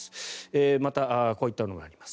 またこういったものもあります。